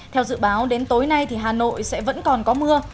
theo dự báo đến tối nay hà nội sẽ vẫn còn có mưa